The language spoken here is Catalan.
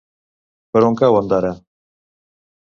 Per on cau Ondara?